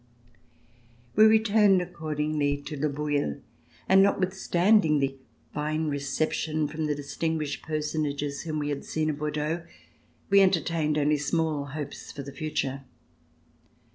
We returned accordingly to Le Bouilh, and not withstanding the fine reception from the distinguished personages whom we had seen at Bordeaux, we enter tained only small hopes for the future.